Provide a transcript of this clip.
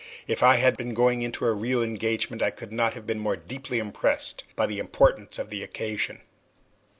If I had been going into a real engagement I could not have been more deeply impressed by the importance of the occasion.